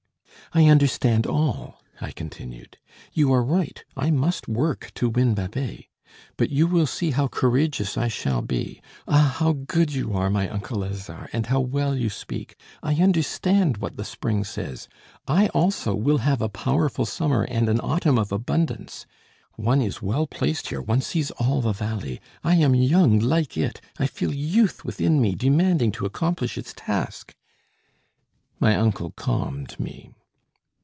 "I understand all," I continued. "You are right, I must work to win Babet. But you will see how courageous I shall be. Ah! how good you are, my uncle Lazare, and how well you speak! I understand what the spring says: I, also, will have a powerful summer and an autumn of abundance. One is well placed here, one sees all the valley; I am young like it, I feel youth within me demanding to accomplish its task " My uncle calmed me.